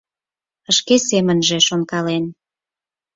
Шке семынже шонкален: